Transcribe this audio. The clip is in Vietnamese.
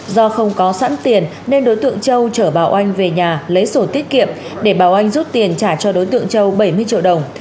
do không có sẵn tiền nên đối tượng châu chở bà oanh về nhà lấy sổ tiết kiệm để bảo anh rút tiền trả cho đối tượng châu bảy mươi triệu đồng